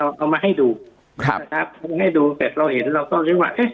เอาเอามาให้ดูครับครับเอาให้ดูแต่เราเห็นเราก็รู้ว่า